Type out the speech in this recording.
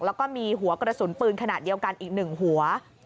แล้วก็มีหัวกระสุนปืนขนาดเดียวกันอีก๑หัว